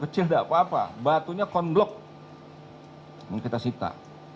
saya akan mencoba